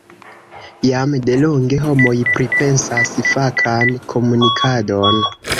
Jam delonge homoj pripensas fakan komunikadon.